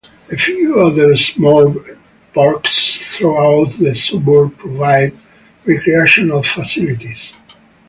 A few other small parks throughout the suburb provide recreational facilities.